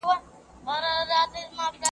زه اجازه لرم چي ليکلي پاڼي ترتيب کړم؟!